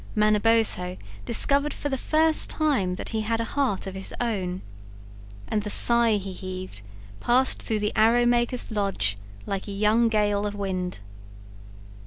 Manabozho discovered for the first time that he had a heart of his own, and the sigh he heaved passed through the arrow maker's lodge like a young gale of wind.